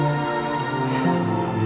aku mau denger